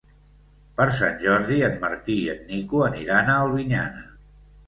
Per Sant Jordi en Martí i en Nico aniran a Albinyana.